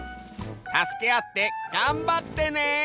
たすけあってがんばってね。